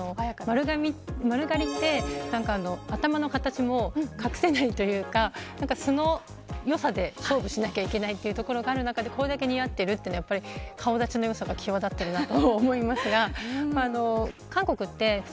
丸刈りって頭の形も隠せないというか素の良さ勝負しなきゃいけないところがある中でこれだけ似合っているのは顔立ちの良さが際立っていると思います。